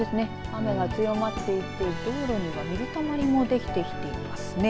雨が強まっていて道路には水たまりもできています。